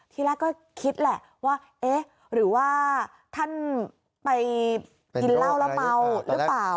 ที่แรกก็คิดแหละว่าเอ๊ะหรือว่าท่านไปกินเหล้าแล้วเมาหรือเปล่า